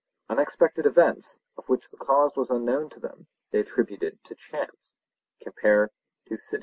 Unexpected events, of which the cause was unknown to them, they attributed to chance (Thucyd.).